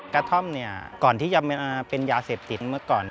กระท่อมเนี่ยก่อนที่จะมาเป็นยาเสพติดเมื่อก่อน